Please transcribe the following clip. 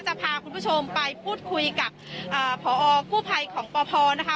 จะพาคุณผู้ชมไปพูดคุยกับพอกู้ภัยของปพนะคะ